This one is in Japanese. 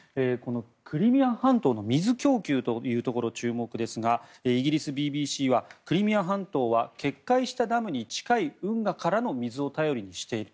クリミア半島の水供給というところ注目ですがイギリスＢＢＣはクリミア半島は決壊したダムに近い運河からの水を頼りにしている。